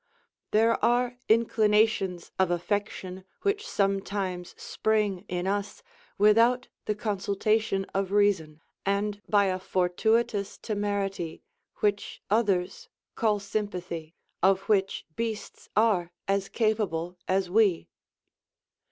There are inclinations of affection which sometimes spring in us, without the consultation of reason; and by a fortuitous temerity, which others call sympathy; of which beasts are as capable as we.